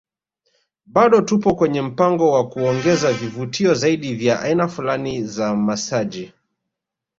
Bado tupo kwenye mpango wa kuongeza vivutio zaidi vya aina fulani za masaji